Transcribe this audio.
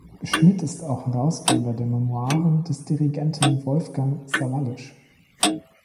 Schmidt ist auch Herausgeber der Memoiren des Dirigenten Wolfgang Sawallisch.